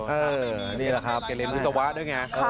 เออนี่แหละครับเขาเล่นอุตสาวะด้วยไง